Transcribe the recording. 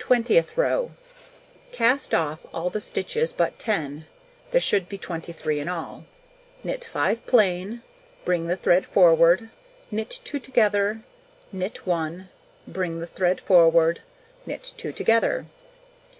Twentieth row: Cast off all the stitches but 10 (there should be 23 in all), knit 5 plain, bring the thread forward, knit 2 together, knit 1, bring the thread forward, knit 2 together.